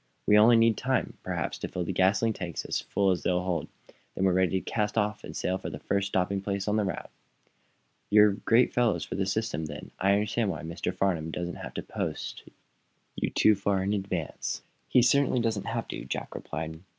We need only time, perhaps, to fill the gasoline tanks as full as they'll hold. Then we're ready to cast off and sail far the first stopping place on the route." "You're great fellows for system, then. So I understand why Mr. Farnum doesn't have to post you far in advance." "He certainly doesn't have to," Jack relied.